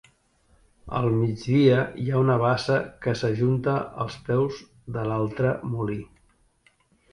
A migdia hi ha una bassa que s'ajunta als peus de l'altra molí.